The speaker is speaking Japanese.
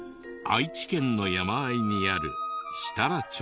愛知県の山あいにある設楽町。